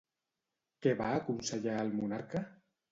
Què va aconsellar al monarca?